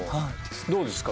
どうですか？